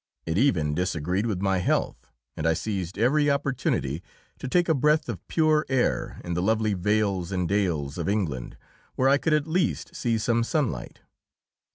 It even disagreed with my health, and I seized every opportunity to take a breath of pure air in the lovely vales and dales of England, where I could at least see some sunlight.